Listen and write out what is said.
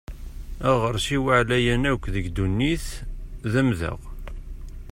Aɣersiw aɛlayen akk deg ddunit d amdeɣ.